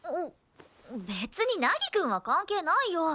別に凪くんは関係ないよ。